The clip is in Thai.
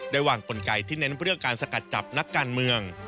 วางกลไกที่เน้นเรื่องการสกัดจับนักการเมือง